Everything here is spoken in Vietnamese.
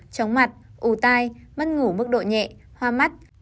chóng mặt ù tai mất ngủ mức độ nhẹ hoa mắt